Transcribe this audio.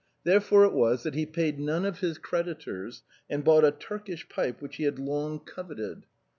Therefore it was that he paid none of his creditors, and bought a Turkish pipe which he had long coveted.